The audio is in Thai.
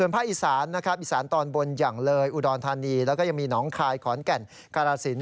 ผ้าอิสานอิสานตอนบนอย่างเลยอุดรธาณีแล้วมีหนองคลายขอนแก่นคาลาสิน